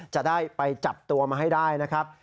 จะได้ไปจับตัวมาให้ได้นะครับ